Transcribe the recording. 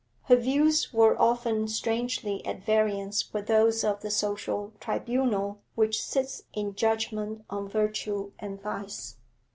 Her views were often strangely at variance with those of the social tribunal which sits in judgment on virtue and vice.